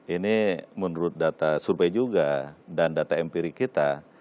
ini menurut data survei juga dan data empirik kita